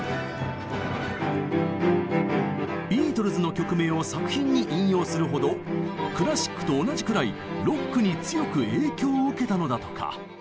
ビートルズの曲名を作品に引用するほどクラシックと同じくらいロックに強く影響を受けたのだとか。